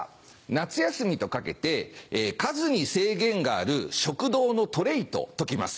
夏休みと掛けて数に制限がある食堂のトレーと解きます。